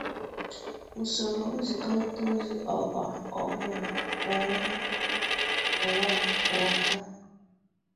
usoro nzikọrịta ozi ọgbaa ọhụrụ bara nnukwu uru n’ụwa taa